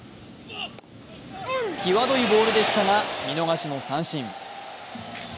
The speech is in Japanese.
際どいボールでしたが、見逃しの三振。